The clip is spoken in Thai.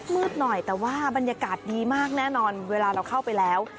มืดหน่อยแต่ว่าบรรยากาศดีมากแน่นอนเวลาเราเข้าไปแล้ว